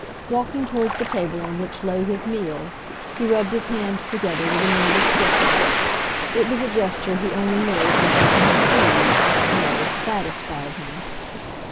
Walking towards the table on which lay his meal, he rubbed his hands together with a nervous gesture—it was a gesture he only made when something had pleased, nay, satisfied him.